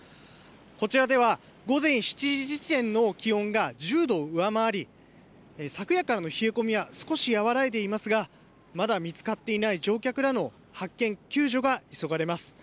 こちらでは、午前７時時点の気温が１０度を上回り、昨夜からの冷え込みは少し和らいでいますが、まだ見つかっていない乗客らの発見、救助が急がれます。